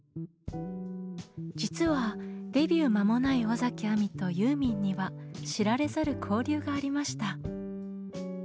実はデビュー間もない尾崎亜美とユーミンには知られざる交流がありました。